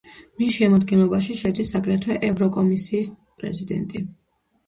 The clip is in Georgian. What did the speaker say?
მის შემადგენლობაში შედის აგრეთვე ევროკომისიის პრეზიდენტი.